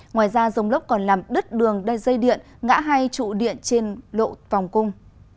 ngoài ra dông lốc còn làm đứt đường dây điện ngã hai trụ điện trên lộ phòng cung